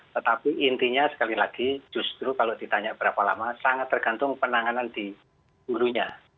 tetapi intinya sekali lagi justru kalau ditanya berapa lama sangat tergantung penanganan di hulunya